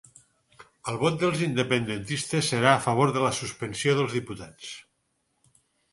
El vot dels independentistes serà a favor de la suspensió dels diputats